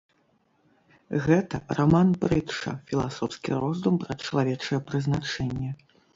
Гэта раман-прытча, філасофскі роздум пра чалавечае прызначэнне.